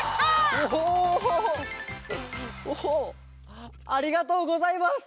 ありがとうございます！